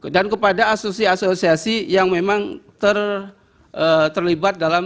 dan kepada asosi asosiasi yang memang terlibat dalam